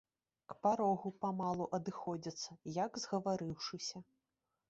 К парогу памалу адыходзяцца, як згаварыўшыся.